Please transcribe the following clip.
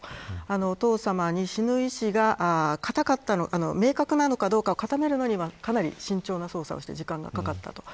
お父さまに死ぬ意思が明確なのかどうかを固めるのにはかなり慎重に時間がかかったと。